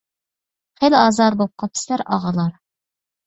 خېلى ئازادە بوپقاپسىلەر، ئاغىلار.